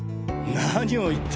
何を言って。